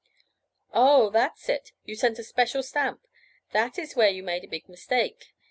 "Oh, that's it. You sent a special stamp. That was where you made a big mistake.